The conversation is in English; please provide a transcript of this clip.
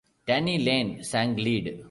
Denny Laine sang lead.